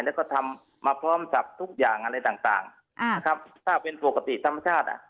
แล้วก็ทำมาพร้อมจากทุกอย่างอะไรต่างถ้าเป็นปกติธรรมชาติ